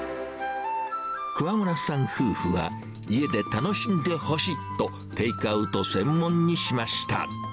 桑村さん夫婦は、家で楽しんでほしいと、テイクアウト専門にしました。